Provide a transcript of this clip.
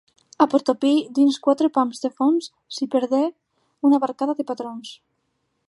A Portopí, dins quatre pams de fons s'hi perdé una barcada de patrons.